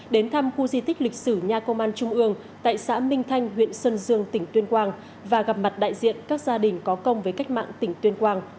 đến thăm khu di tích lịch sử nhà công an trung ương tại xã minh thanh huyện sơn dương tỉnh tuyên quang và gặp mặt đại diện các gia đình có công với cách mạng tỉnh tuyên quang